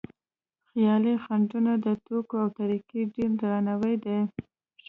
خیالي خنډونه د توکو او طریقو ډېر درناوی دی.